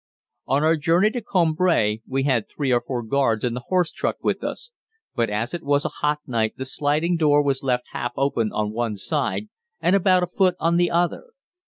On our journey to Cambrai we had three or four guards in the horse truck with us, but as it was a hot night the sliding door was left half open on one side, and about a foot on the other.